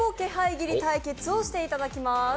斬り対決をしていただきます。